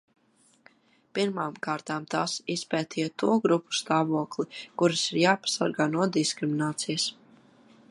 Pirmām kārtām tās izpētīja to grupu stāvokli, kuras ir jāpasargā no diskriminācijas.